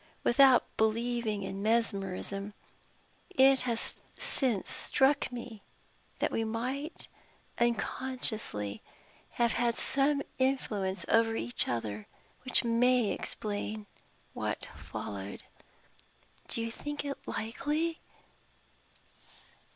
Without believing in mesmerism, it has since struck me that we might unconsciously have had some influence over each other, which may explain what followed. Do you think it likely?"